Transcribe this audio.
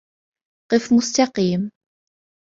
قف مستقيم